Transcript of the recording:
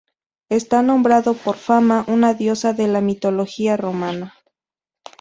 Está nombrado por Fama, una diosa de la mitología romana.